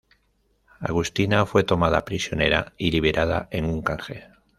Agustina fue tomada prisionera y liberada en un canje.